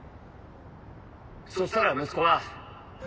そしたら息子は。